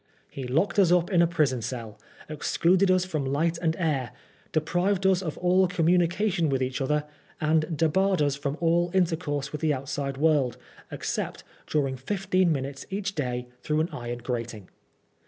^* He locked us up in a prison cell, excluded us from light and air, deprived us of all communication with each other, and debarred us from all intercourse with the outside world except during fifteen minutes each day through an iron grating.